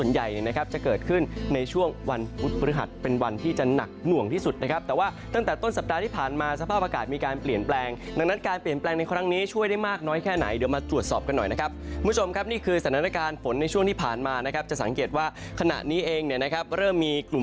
ใหญ่นะครับจะเกิดขึ้นในช่วงวันพุธพฤหัสเป็นวันที่จะหนักหน่วงที่สุดนะครับแต่ว่าตั้งแต่ต้นสัปดาห์ที่ผ่านมาสภาพอากาศมีการเปลี่ยนแปลงดังนั้นการเปลี่ยนแปลงในครั้งนี้ช่วยได้มากน้อยแค่ไหนเดี๋ยวมาตรวจสอบกันหน่อยนะครับคุณผู้ชมครับนี่คือสถานการณ์ฝนในช่วงที่ผ่านมานะครับจะสังเกตว่าขณะนี้เองเนี่ยนะครับเริ่มมีกลุ่ม